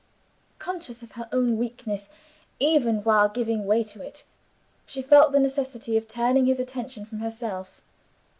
Conscious of her own weakness even while giving way to it she felt the necessity of turning his attention from herself.